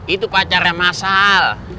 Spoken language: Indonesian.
itu pacarnya mas al